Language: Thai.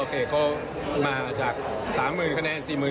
โอเคเขามาจาก๓๐๐๐๐คะแนน๔๐๐๐๐คะแนน